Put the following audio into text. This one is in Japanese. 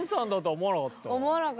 思わなかった。